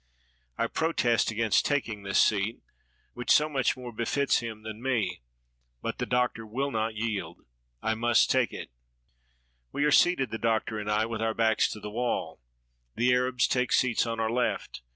I protest against taking this seat, which so much more befits him than me, but the Doctor will not yield : I must take it. 397 WESTERN AND CENTRAL AFRICA We are seated — the Doctor and I — with our backs to the wall. The Arabs take seats on our left.